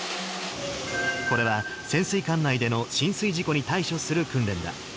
これは潜水艦内での浸水事故に対処する訓練だ。